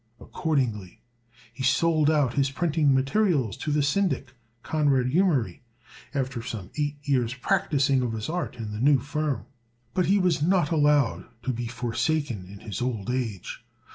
Accordingly he sold out his printing materials to the Syndic, Conrad Humery, after some eight years' practicing of his art in the new firm. But he was not allowed to be forsaken in his old age.